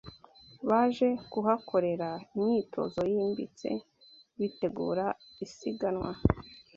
baje kuhakorera imyitozo yimbitse bitegura isiganwa